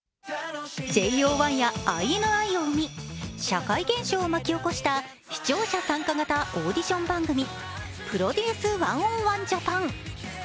ＪＯ１やＩＮＩを生み、社会現象を巻き起こした視聴者参加型オーディション番組「ＰＲＯＤＵＣＥ１０１ＪＡＰＡＮ」。